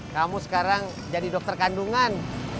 kamu sekarang jadi dokter kandungan